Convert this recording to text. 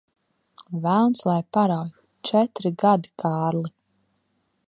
Velns lai parauj! Četri gadi, Kārli.